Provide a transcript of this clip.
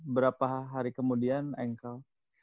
berapa hari kemudian engkel